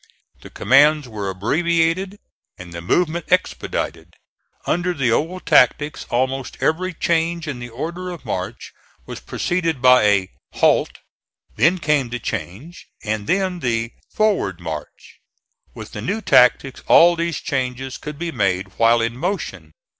The commands were abbreviated and the movement expedited. Under the old tactics almost every change in the order of march was preceded by a "halt," then came the change, and then the "forward march." With the new tactics all these changes could be made while in motion.